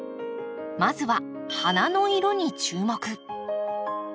まずは花の色に注目！